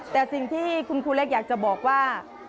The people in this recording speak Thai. แต่สิ่งที่คุณครูเล็กอยากจะบอกว่า